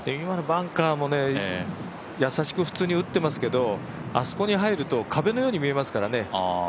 今のバンカーも優しく普通に打ってますけど、あそこで入ると壁のように見えますからね。